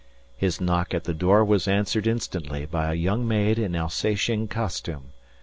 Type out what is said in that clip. His knock at the door was answered instantly by a young maid in Alsatian costume.